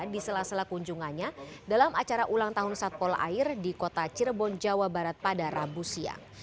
di sela sela kunjungannya dalam acara ulang tahun satpol air di kota cirebon jawa barat pada rabu siang